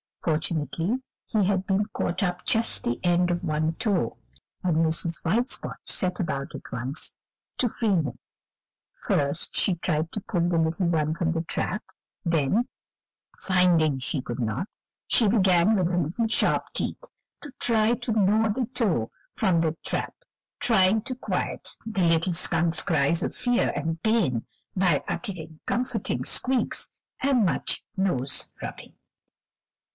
Fortunately he had been caught by just the end of one toe, and Mrs. White Spot set about at once to free him. First she tried to pull the little one from the trap, then, finding she could not, she began with her little sharp teeth to try to gnaw the toe from the trap, trying to quiet the little skunk's cries of fear and pain by uttering comforting squeaks, and much nose rubbing.